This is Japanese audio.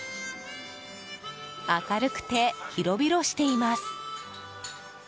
明るくて広々しています。